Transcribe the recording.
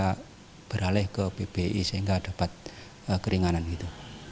kita beralih ke pbi sehingga dapat keringanan gitu